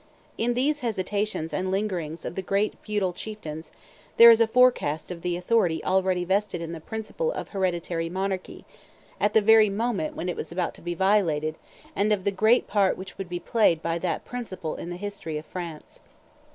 In these hesitations and lingerings of the great feudal chieftains, there is a forecast of the authority already vested in the principle of hereditary monarchy, at the very moment when it was about to be violated, and of the great part which would be played by that principle in the history of France.